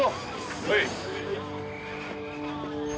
はい！